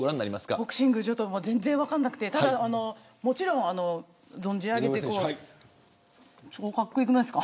ボクシングは全然分からなくてもちろん存じ上げてて超かっこ良くないですか。